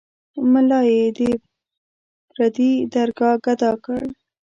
ملا یې د پردي درګاه ګدا کړ.